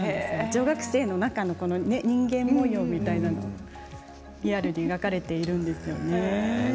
女学生の中の人間もようみたいなリアルに描かれているんですよね。